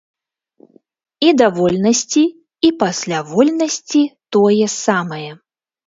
І да вольнасці, і пасля вольнасці тое самае.